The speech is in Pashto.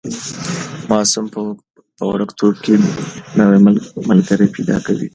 ماسوم په وړکتون کې نوي ملګري پیدا کوي.